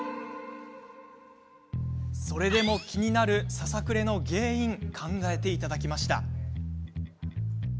それでも気になる、ささくれの原因を考えていただきました。